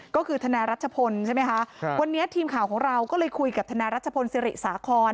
ก็คือทนายรัชพลใช่ไหมคะวันนี้ทีมข่าวของเราก็เลยคุยกับทนายรัชพลศิริสาคร